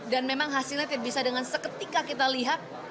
dan memang hasilnya tidak bisa dengan seketika kita lihat